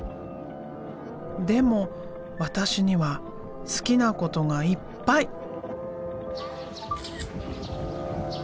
「でもわたしには好きなことがいっぱい！」。